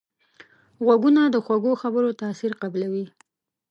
غوږونه د خوږو خبرو تاثیر قبلوي